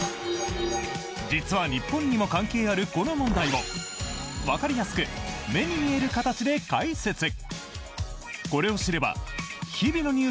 実は日本にも関係あるこの問題もわかりやすく目に見える形で解説。